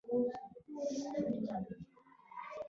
د دې ننګونې ماتول برخلیک نه و.